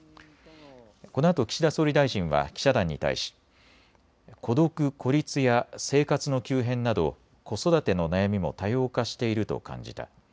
このあと岸田総理大臣は記者団に対し孤独・孤立や生活の急変など子育ての悩みも多様化していると感じた。